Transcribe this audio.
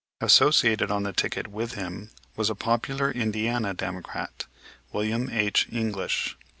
Associated on the ticket with him was a popular Indiana Democrat, William H. English.